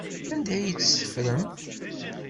Anda ay tt-teffrem?